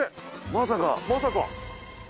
まさか。